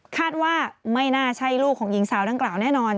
คาดว่าไม่น่าใช่ลูกของหญิงสาวดังกล่าวแน่นอน